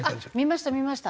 見ました見ました。